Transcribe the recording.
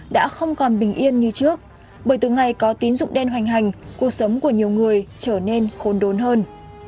đã không còn bình yên như trước bởi từ ngày có tín dụng đen hoành hành cuộc sống của nhiều người trở nên khôn đốn hơn